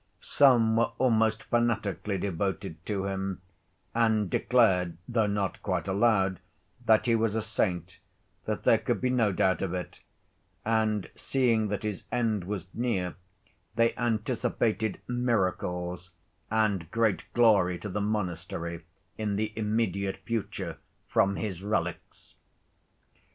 Some were almost fanatically devoted to him, and declared, though not quite aloud, that he was a saint, that there could be no doubt of it, and, seeing that his end was near, they anticipated miracles and great glory to the monastery in the immediate future from his relics.